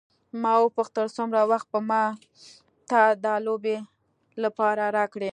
ما وپوښتل څومره وخت به ما ته د لوبې لپاره راکړې.